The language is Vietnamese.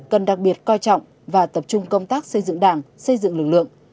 cần đặc biệt coi trọng và tập trung công tác xây dựng đảng xây dựng lực lượng